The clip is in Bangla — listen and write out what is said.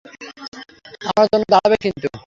আমার জন্য দাঁড়াবে কিন্তু।